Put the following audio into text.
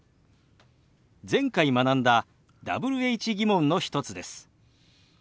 前回学んだＷｈ−疑問の一つです。